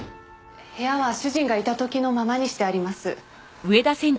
部屋は主人がいた時のままにしてあります。